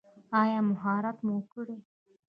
ایا مهاجرت مو کړی؟